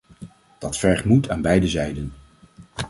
Dat vergt moed aan beide zijden.